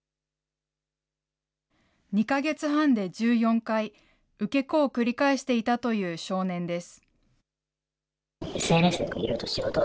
２か月半で１４回、受け子を繰り返していたという少年です。